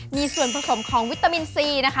มีส่วนผสมของวิตามินซีนะคะ